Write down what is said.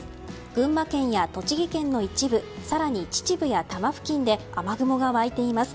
群馬県や栃木県の一部更に秩父や多摩付近で雨雲が湧いています。